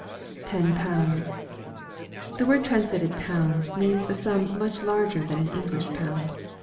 [Ten pcvynds.} The word translated " pound/* means a sum much larger than an English pound.